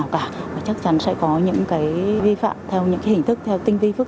các chiến sĩ công an cơ khẩu cả hàng không quốc tế tân sư nhất